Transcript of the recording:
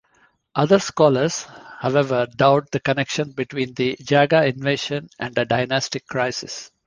Other scholars, however doubt the connection between the Jaga invasion and a dynastic crisis.